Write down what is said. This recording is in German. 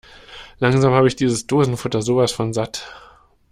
Langsam habe ich dieses Dosenfutter sowas von satt!